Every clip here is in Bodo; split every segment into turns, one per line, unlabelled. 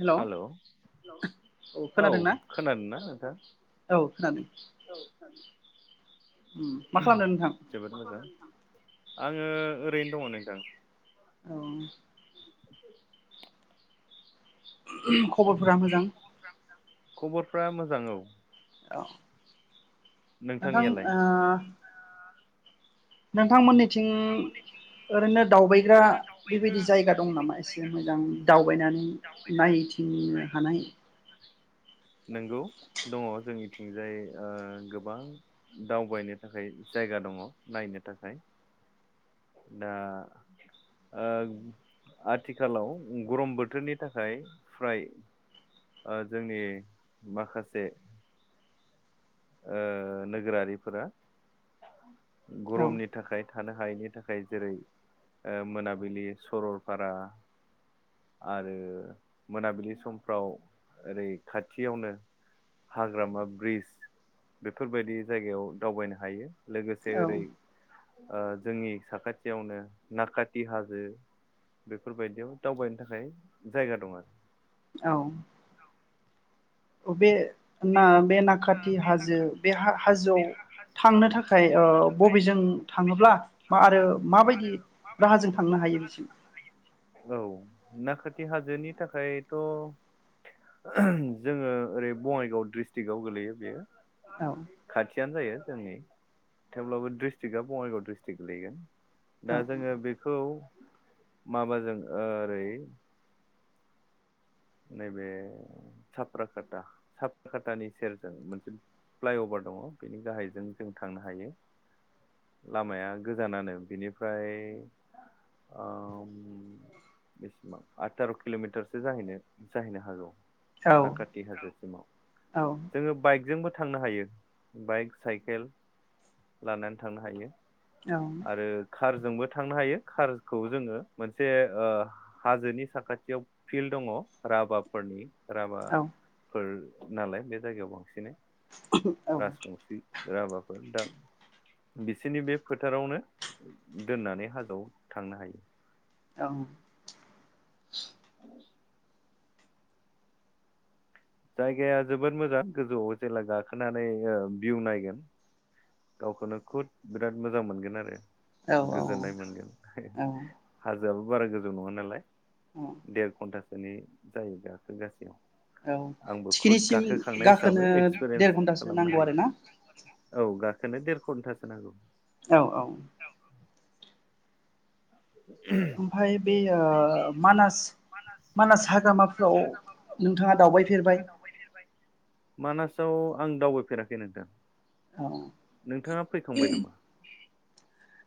हेलौ
हेल, औ। खोनादों ना नोंथां?
दानो उम मा खालामदों नोंथां?
जोबोद मोजां आङो ओरैनो दङ नोंथां।
औ। खबरफोरा मोजां?
खबरफ्रा मोजां औ।
औ। नोंथां
नोंथांनियालाय
ओ नोंथांमोननि थिं ओरैनो दावबायग्रा बेबायदि जायगा दं नामा एसे मोजां दावबायनानै नायथिंनो हानाय
नंगौ दङ जोंनिथिंजाय ओ गोबां दावबायनो थाखाय जायगा दङ नायनो थाखाय दा ओ आथिखालाव गरम बोथोरनि थाखाय फ्राय ओ जोंनि माखासे ओ नोगोरारिफोरा
औ
गरमनि थाखाय थानो हायैनि थाखाय जेरै ओ मोनाबिलि, सरलपारा आरो मोनाबिलि समफ्राव ओरै खाथियावनो हाग्रामा ब्रिज बेफोरबायदि जायगायाव दावबायनो हायो लोगोसे ओरै
औ
ओ जोंनि साखाथियावनो नाकाथि हाजो बेफोरबायदियाव दावबायनो थाखाय जायगा दं आरो।
औ। अ बेे ना बे नाखाथि हाजो बे हा-हाजोयाव थांनो था मा आरो माबायदि राहाजों थांनो हायो बिसिम
औ नाखा थि हाजोनि थाखायथ' जोङो ओरै बङाइगाव ड्रिस्टिक्टआव गोलैयो बेयो
औ।
थियानो जायो जोंनि थेवब्लाबो ड्रिस्टिक्टआ बङाइगाव ड्रिस्टिक्ट गोलैयो।
औ
दा जोङो बेखौ माबाजों ओरै नैबे साप्राखाटा साप्राखाटानि सेरजों मोनसे फ्लाइअभार दङ बेनि गाहायजों जों थांनो हायो। लामाया गोजानानो बिनिफ्राय ओ बेसिबां आथार किलमिटारसो जाहैनो जाहैनो हागौ
औ
नाकाथि हाजोसिमाव। जोङो बाइकजोंबो थांनो हायो बाइक साइकेल लानानै थांनो हायो
औ
आरो खारजोंबो थांनो हायो खारखौ जोङो मोनसे ओ हाजोनि साखाथियाव फिल्ड दङ राभाफोरनि
औ
राभाफोर नालाय बे जायगायाव बांसिनै
औ
राजबंसि राभाफोर दा बिसोरनि बे फोथारावनो दोननानै हाजोआव थांनो हायो।
ओं [inaudible]
[inaudible] जायगाया जोबोद मोजां गोजौआव जेब्ला गाखोनानै ओ भिउ नायगोन गावखौनो खुद बिराद मोजां मोनगोन आरो
औ
गोजोननाय मोनगोन
औ
हाजोआबो बारा गोजौ नङा नालाय देर घन्टासो नि जायो गाखोगासेयाव
औ
आंबो खुद
थिखिनिसिम
गाखोखांनाय हिसाबै
गाखोनो
एक्सपिरियेन्स
देर घन्टासो
खालामनो
नांगौ
हायो
आरो ना
औ गा खोनो देर घन्टासो नांगौ।
औ औ ओमफफ्राय बे ओ मानास मानास हाग्रामाफ्राव नोंथाङा दावबायफेरबाय
मानासाआव आं दावबायफेराखै नोंथां
[inaudible]
नोंथाङा फैखांबाय नामा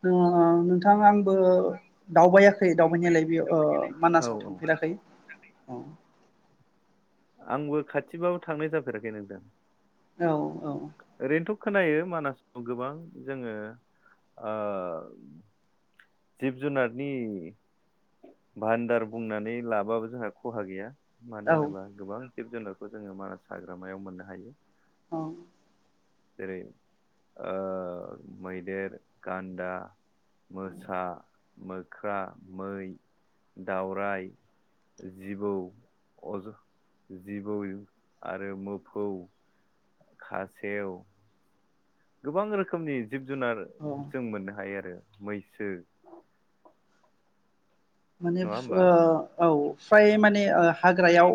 ओ नोंथां आं बो दावबाया खै दावबायनायालाय बेयाव
औ
मानासआव
औ
थांफेराखै उम
आंबो खाथिबाबो थांनाय जाफेराखै नोंथां
औ औ
ओरैनोथ खोनायो मानासाव गोबां जोङो ओ जिब जुनारनि भान्दार बुंनानै लाबाबो जोंहा खहा गैया
औ
मानो होनोबा गोबां जिब जुनारखौ जोङो मानास हाग्रामायाव मोननो हायो
औ
जेरै ओ मैदेर गान्दा मोसौ आ मोख्रा मै दावराय जिबौ जिबौ आरो मोफौ खासेव गोबां रोखोमनि जिब जुनार
औ
जों मोननो हायो आरो मैसो
माने
नङा
ओ
होमबा
औ फ्राय माने ओ हाग्रायाव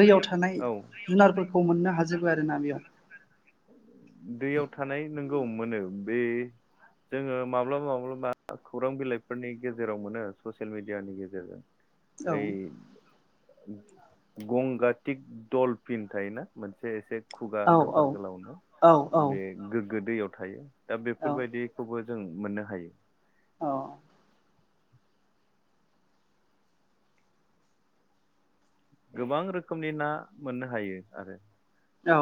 दैयाव थानाय
औ
जुनारफोरखौ मोननो हाजोब आरोना बेयाव
दैयाव थानाय नों औ मोनो बे जोङो माब्लाबा माब्लाबा खौरां बिलाइफोरनि गेजेराव मोनो ससियेल मिडियानि गेजेरजों
औ औ
ओइ गंगा थिग दल फिन थायोना मोनसे एसे खुगा गोफार
औ-औ
गोदैयाव थायो दा बेफोरबायदिखौबो जों मोननो हायो
औ
गोबां रोखोमनि ना मोननो हायो आरो
औ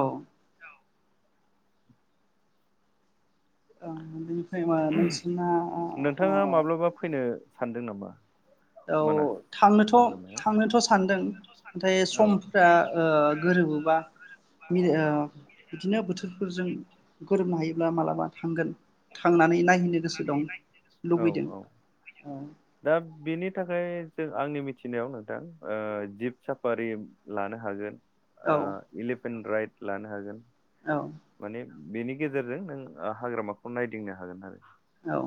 [unintelligible] [unintelligible] नोंसोरना अ
नोंथाङा माब्लाबा फैनो सानदों नामा
औ
मानास
थांनोथ
हाग्रामायाव
थांनोथ सानदों नाथाय
औ
समफोरा ओ गोरोबोबा मिला बिदिनो बोथोरफोरजों गोरोबनो हायो ला मालाबा थांगोन थांनानै नाय नायनो गोसो दं लुबैदों औ
बिनि थाखाय जों आंनि मिथिनायाव नोंथां ओ जिब साफारि लानो हागोन
औ
ओ इलिप पेन राइट लानो हागोन
औ
माने बेनि गेजेरजों नों हाग्रामाखौ नायदिंनो हागोन आरो
औ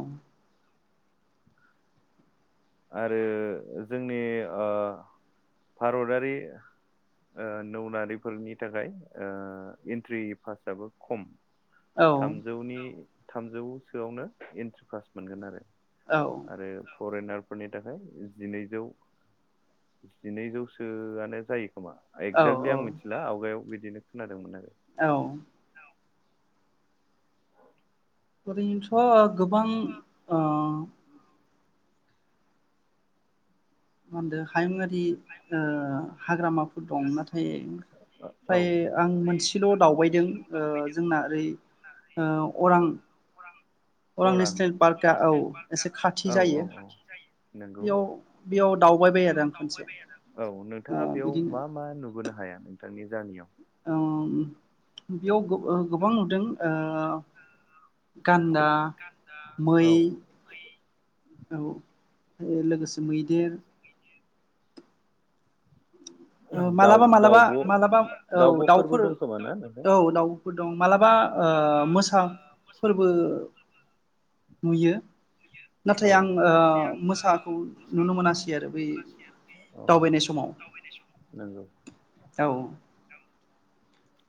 आरो जोंनि ओ भारतारि ओ नौनारिफोरनि थाखाय एन्ट्रि पासआबो खम
औ
थामजौनि औ थामजौसोआवनो एन्ट्रि पास मोनगोन आरो
औ
आरो फरेेनार फोरनि थाखाय जिनैजौ जिनैजौसोआनो जायो खोमा
औ
एक्जाक्टलि आं मिथिला आवगायाव बिदिनो खोनादोंमोन आरो
औ ओरैनोथ गोबां ओ मा होनदों हायुंङारि ओ हाग्रामाफोर दं नाथाय फाय
औ
फ्राय आं मोनसेल दावबायदों जोंना ओरै ओ अरां अरां नेसनेल पार्कआ औ एसे खाथि
औ औ
जायो
औ नंगौ
बेयाव बेयाव दावबाय बायो आरो आं खनसे
औ
अ
नोंथाङा
बिदिनो
गामियाव
ओम बेयाव गोबां नुदों ओ गान्दा, मै
औ
औ लोगोसे मैदेर
दाउ
मालाबा मालाबा
दाउब'
मालाबा औ
दाउब'फोरबो
दाउफोर
दंखोमा ना नोंथां
औ दाउ दं मालाबा बा ओ‌ मोसा फोरबो नुयो नाथाय
औ
आं ओ मोसाखौ नुनो मोनासै आरो बै
औ
दावबायनाय समाव
नंगौ
औ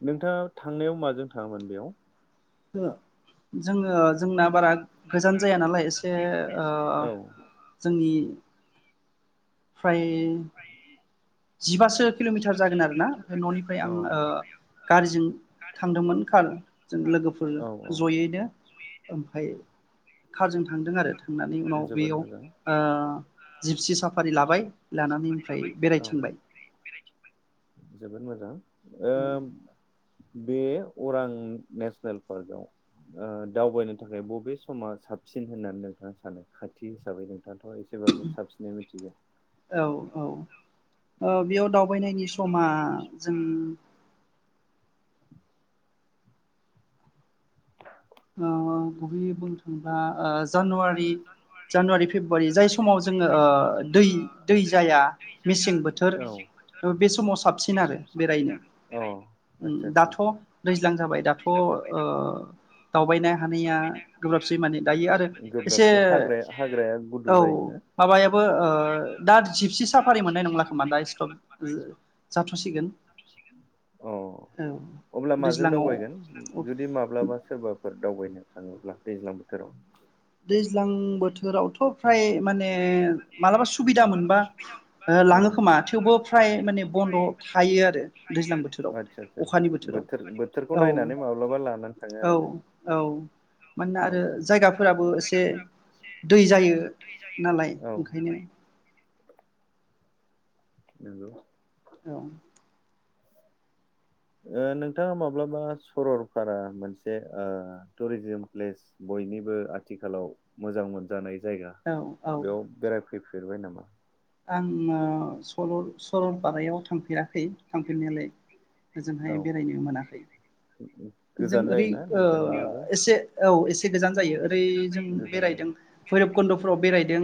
नोंथाङा थांनायाव माजों थाङामोन बेयाव?
जोङो जोङो जोंना बारा गोजान जाया नालाय एसे ओ
औ
जोंनि फ्राय जिबासो किल'मिटार जागोन आरोना ओमफ्राय न'निफ्राय
औ
आं गारिजों थांदोंमोन कार जों लोगोफोर
औ औ
जयैनो ओमफाय खारजों थांदों आरो थांनानै उनाव
जोबोद
बेयाव ओ
मोजां
जिपसि साफारि लाबाय लानानै ओमफ्राय
औ
बेरायथिं
जोबोद मोजां ओ बे अरां नेसनेल पार्कआव दावबायनो थाखाय बबे समा साबसिन होननानै नोंथाङा सानो खाथि हिसाबै नों? दाथ' एसेबाबो साबसिनै मिथिगौ
औ औ औ बेयाव दउ बायनायनि समा जों
[inaudible]
औ औ‌ गुबैयै बुंनो थांब्ला ओ जानुवारि जानुवारि फेब्रुवारि जाय समाव जोङो दै दै जाया मेसें बोथोर
औ
बे समाव साबसिन आरो बेरायनो
अ आदसा आदसा
दाथ' दैज्लां जाबाय दाथ' ओ [unintelligible] गोब्राबसै माने दायो आरो एसे
गोब्राबसो हाग्राया हाग्राया
औ
गुदु जायोना
माबायाबो ओ दा जिपसि साफारि मोननाय नंला खोमा दा स्टप जाथ' सिगोन
अ अब्ला माजों दावबायगोन?
दैज्लाङाव
जुदि माब्लाबा सोरबा फोर दावबायनो थाङोब्ला दैज्लां बोथोराव।
दैज्लां बोथोरावथ फ्राय माने मालाबा सुबिदा मोनबा लाङो
उम
खोमा थेवबो फ्राय माने बन्द' थायो आरो दैज्लां बोथोराव
आदसा आदसा
अखानि बोथोराव।
बोथोर बोथोरखौ
औ
नायनानै माब्लाबा लानानै थाङो
औ
आरो ना
औ। मानोना आरो
आदसा
जायगा फोराबो एसे दै जायो ना लाय
औ
ओंखायनो
नोंगौ।
औ।
ओ नोंथाङा माब्लाबा सरलपारा मोनसे ओ टुरिजिम प्लेस बयनिबो आथिखालाव मोजां मोनजानाय जायगा
औ औ
बेयाव बेराय फैफेरबाय नामा?
आङो सरल-सरलपारायाव थांफेराखै थांफेरनायालाय
औ
ओजोंहाय बेरायनो मोनाखै। जों
गोजान
ओरै
जायोना नोंथांनियाबो
ओ एसे औ एसे गोजान जायो। ओरै जों
गोजान
बेरायदों
जायो।
भैरब कुन्द'फोराव बेरायदों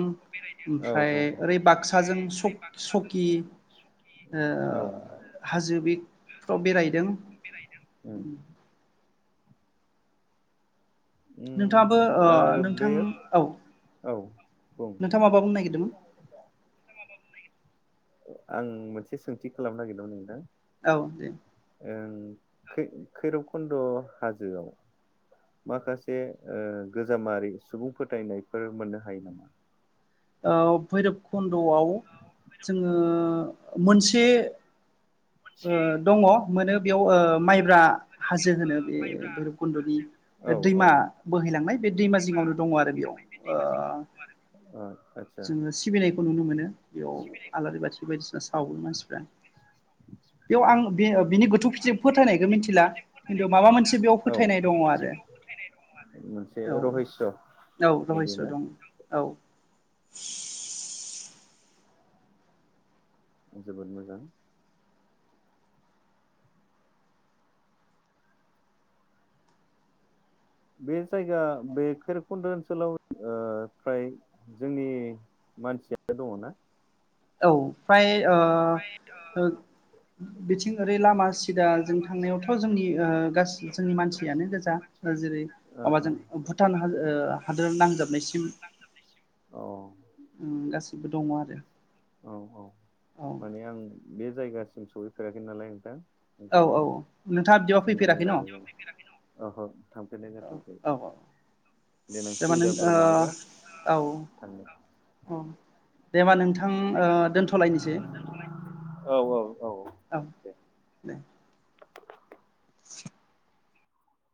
औ
ओमफ्राय
औ औ
ओरै बाक्साजों स-सकि ओ
औ
हाजो बि फ्राव बेरायदों।
उम
नोंथाङाबो
उम
ओ नोंथां
बेयो
औ
औ बुं
नोंथाङा माबा बुंनो नागिरदोंमोन?
आं मोनसे सोंथि खालामनो नागिरदोंमोन नोंथां?
औ दे।
ओं, खै-खैरबकुन्द' हाजोयाव माखासे ओ गोजामारि सुबुं फोथायनायफोर मोननो हायो नामा?
औ भैरब कुन द'याव जोङो मोनस से ओ दङ, मोनो बेयाव ओ माइब्रा हाजो होनो बे भैरबकुन्दनि
औ औ
दैमा
ओ
बोहैलांनाय बे दैमा जिङावनो दङ आरो बेयाव। ओ
आदसा
जोङो सिबिनाय खौ नुनो मोनो। बेयाव आलारि बाथि बायदिसिना सावो मानसिफ्रा। बेयाव आं बे ओ बिनि गोथौ फिथि-फोथायनायखौ मिन्थिला खिन्थु माबा मोनसे बेयाव
औ
फोथायनाय दङ आरो।
मोनसे
औ
रहस्य
औ, रहस्य
बायदिनो
दं औ। [inaudible]
जोबोद मोजां। बे जायगा बे खैरबखुन्द' ओनसोलाव ओ फ्राय जोंनि मानसियानो दङना?
औ। फ्राय ओ ओ बिथिं ओरै लामा सिदाजों थांनायावथ' जोंनि ओ गासि जोंनि मानसियानो गोजा। जेरै माबाजों भुटान हाजो ओ हादोर नांजाबनायसिम
ओ
उम गासिबो दङ आरो।
औ औ
औ
माने आं बे जायगा सिम सहैफेराखै नालाय नोंथां
औ
ओंखायनो
औ नोंथाङा बिदिबा
सोंनानै
फैफेराखै न' औ
लानाय जाबाय। अह' थांफेरनाय जाथ'याखै।
औ
देनां
जेनेबा नों
सुबिदाफोर मोनोबा थांगोन।
अ' दे होमबा नों आं ओ दोनथलायनोसै।
औ औ औ
औ दे। [inaudible]